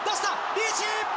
リーチ！